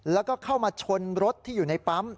แล้วก็เข้ามาชนรถที่อยู่ในปั๊ม